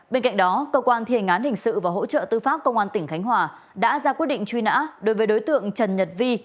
bên cạnh đó cơ quan thi hành án hình sự và hỗ trợ tư pháp công an tỉnh khánh hòa đã ra quyết định truy nã đối với đối tượng trần nhật vi